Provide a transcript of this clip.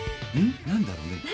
何だろうね？